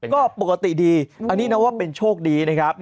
ก็ปกติดีอันนี้นับว่าเป็นโชคดีนะครับ